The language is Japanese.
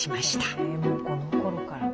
へもうこのころから。